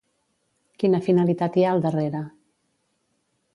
Quina finalitat hi ha al darrere?